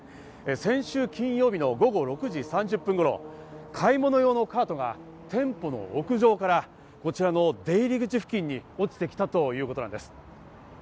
先週金曜日の午後６時３０分頃、買い物用のカートが店舗の屋上からこちらの出入口付近に落ちてきたということなんです。